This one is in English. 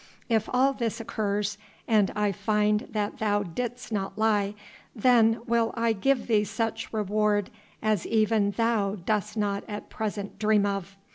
If all this occurs, and I find that thou didst not lie, then will I give thee such reward as even thou dost not at present dream of.